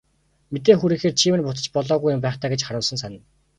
Мэдээ хүргэхээр чи минь буцаж болоогүй юм байх даа гэж харуусан санана.